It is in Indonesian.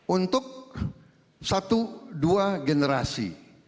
untuk satu dua generasi